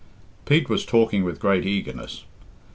Pete was talking with great eagerness.